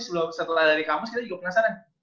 setelah dari kampus kita juga penasaran